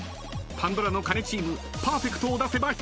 ［パンドラの鐘チームパーフェクトを出せば引き分け］